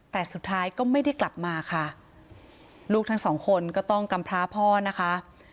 แต่สุดท้ายก็ไม่ได้กลับมาค่ะลูกทั้งสองคนก็ต้องกำพร้าพ่อนะคะ